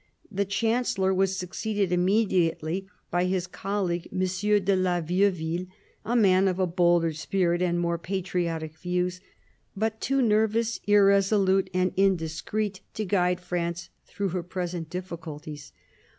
The Chancellor was succeeded immediately by his colleague, M. de la Vieuville, a man of a bolder spirit and more patriotic views, but too nervous, irresolute and indiscreet to guide France through her present difficulties.